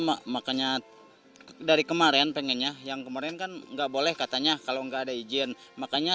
makanya dari kemarin pengennya yang kemarin kan enggak boleh katanya kalau enggak ada izin makanya